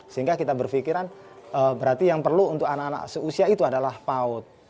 sehingga kita berpikiran berarti yang perlu untuk anak anak seusia itu adalah paut